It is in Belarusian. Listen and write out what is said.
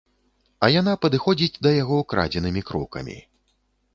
А яна падыходзіць да яго крадзенымі крокамі.